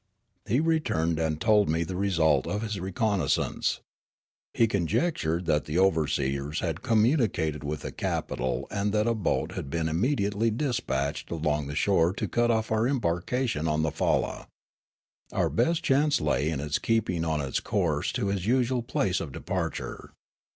He returned and told me the result of his reconnais sance. He conjectured that the overseers had com municated with the capital and that a boat had been immediately dispatched along shore to cut off our embarkation on the falla. Our best chance lay in its keeping on its course to his usual place of departure.